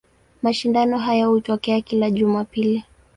Mashindano hayo hutokea kila Jumapili.